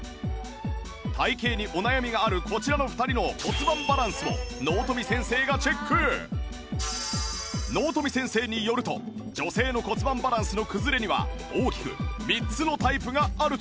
体形にお悩みがあるこちらの２人の納富先生によると女性の骨盤バランスの崩れには大きく３つのタイプがあるという